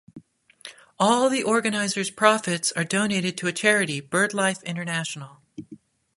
All the organisers' profits are donated to a charity, Birdlife International.